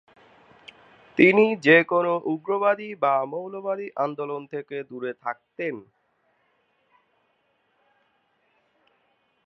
তিনি যেকোন উগ্রবাদী বা মৌলবাদী আন্দোলন থেকে দূরে থাকতেন।